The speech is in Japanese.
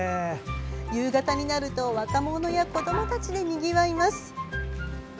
夕方になると、若者や子どもたちでにぎわいます。